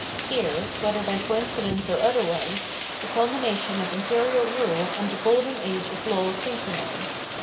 Here, whether by coincidence or otherwise, the culmination of imperial rule and the " golden age " of law synchronised.